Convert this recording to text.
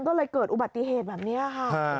ก็เลยเกิดอุบัติเหตุแบบนี้ค่ะ